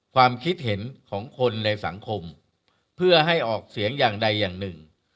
ความคิดเห็นของคนในสังคมเพื่อให้ออกเสียงอย่างใดอย่างหนึ่ง